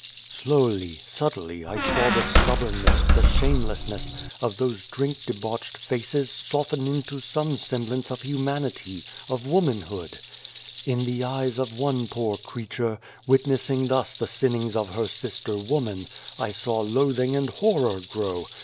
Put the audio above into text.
" Slowly, subtly, 1 saw the stubbornness, the shamelessness, of those drink debauched faces 1 20 Beyond the Door soften into some semblance of humanity, of womanhood. " In the eyes of one poor creature, wit nessing thus the sinnings of her sister woman, I saw loathing and horror grow.